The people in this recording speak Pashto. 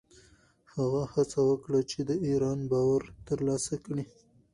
هغه هڅه وکړه چې د ایران باور ترلاسه کړي.